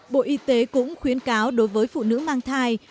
bộ y tế cũng khuyến cáo đối với phụ nữ mang thai